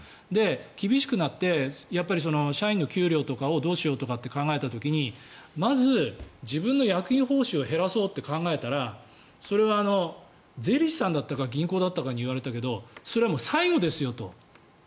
厳しくなって、社員の給料とかをどうしようって考えた時にまず自分の役員報酬を減らそうと考えたらそれは税理士さんだったか銀行だったかに言われたけどそれは最後ですよと。